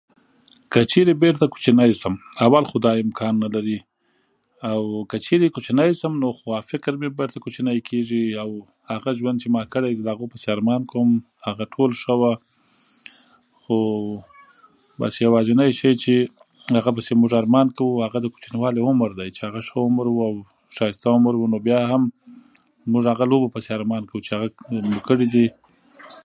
که چېرې بېرته کوچنی شم، اول خو دا امکان نه لري، او که چېرې کوچنی شم، نو [unintelligible] به بېرته کوچنی کېږي، او هغه ژوند چې ما کړی، د هغو پسې ارمان کوم. هغه ټول ښه و، خو بس یوازینی شی چې هغه پسې موږ ارمان کوو، هغه د کوچني والي عمر دی، چې هغه ښه عمر و او ښایسته عمر و. نو بیا هم موږه هغه لوبو پسې ارمان کوو چې هغه لوبې مو کړې دي.